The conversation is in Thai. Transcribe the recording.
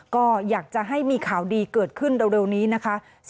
ก็อยากจะให้มีข่าวดีเกิดขึ้นเร็วนี้นะคะ